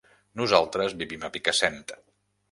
Nosaltres vivim a Picassent.